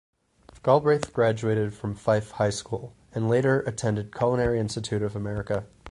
Galbraith graduated from Fife High School and later attended Culinary Institute of America.